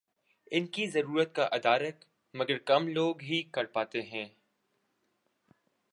ان کی ضرورت کا ادراک مگر کم لوگ ہی کر پاتے ہیں۔